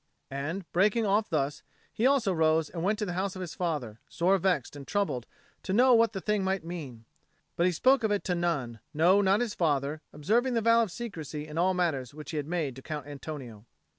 And, breaking off thus, he also rose and went to the house of his father, sore vexed and troubled to know what the thing might mean. But he spoke of it to none, no, not to his father, observing the vow of secrecy in all matters which he had made to Count Antonio.